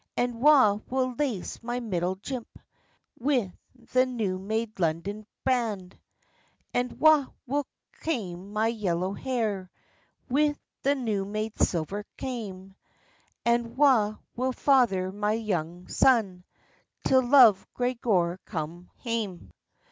And wha will lace my middle jimp, Wi' the new made London band? "And wha will kaim my yellow hair, Wi' the new made silver kaim? And wha will father my young son, Till Love Gregor come hame?"